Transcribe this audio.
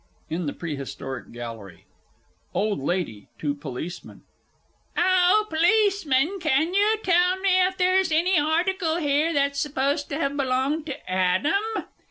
IN THE PREHISTORIC GALLERY. OLD LADY (to POLICEMAN) Oh, Policeman, can you tell me if there's any article here that's supposed to have belonged to Adam?